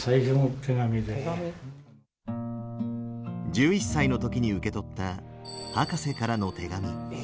１１歳の時に受け取った博士からの手紙。